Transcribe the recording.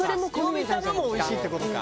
のびたのもおいしいって事か。